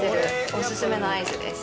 おすすめのアイスです。